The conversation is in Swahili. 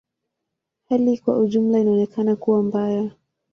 Hali kwa ujumla inaonekana kuwa mbaya.